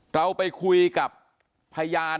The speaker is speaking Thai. เราไปคุยกับพยาน